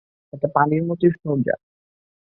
এটা পানির মতোই সোজা।